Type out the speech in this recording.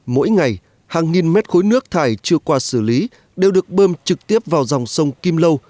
mỗi ngày hàng nghìn mét khối nước thải chưa qua xử lý đều được bơm trực tiếp vào dòng sông kim lâu